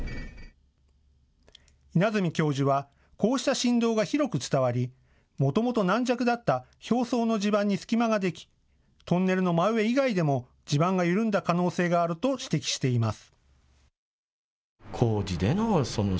稲積教授はこうした振動が広く伝わり、もともと軟弱だった表層の地盤に隙間ができ、トンネルの真上以外でも地盤が緩んだ可能性があると指摘しています。